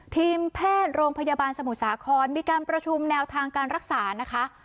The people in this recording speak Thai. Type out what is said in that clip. ทีมเพศโรงพยาบาลสมุสาขอนด์มีการประชุมแนวทางการรักษานะคะ